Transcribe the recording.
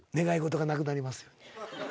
「願い事がなくなりますように」